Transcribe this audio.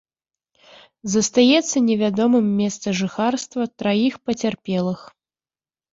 Застаецца невядомым месца жыхарства траіх пацярпелых.